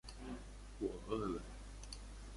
我饿了